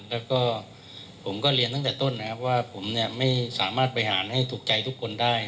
แล้วก็ผมก็เรียนตั้งแต่ต้นนะครับว่าผมเนี่ยไม่สามารถบริหารให้ถูกใจทุกคนได้